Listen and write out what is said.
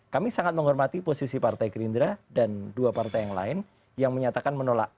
kami sangat menghormati posisi partai gerindra dan dua partai yang lain yang menyatakan menolak